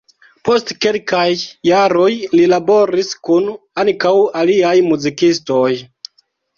Post kelkaj jaroj li laboris kun ankaŭ aliaj muzikistoj.